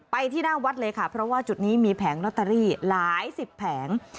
ที่หน้าวัดเลยค่ะเพราะว่าจุดนี้มีแผงลอตเตอรี่หลายสิบแผง